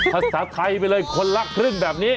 ภาษาไทยไปเลยคนละครึ่งแบบนี้